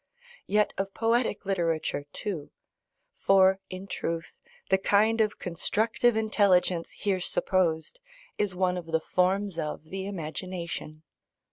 Yet of poetic literature too; for, in truth, the kind of constructive intelligence here supposed is one of the forms of the imagination.